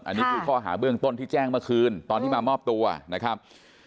อันนี้คือข้อหาเบื้องต้นที่แจ้งเมื่อคืนตอนที่มามอบตัวนะครับ